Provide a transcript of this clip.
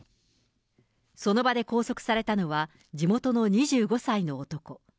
その場で拘束されたのは、地元の２５歳の男。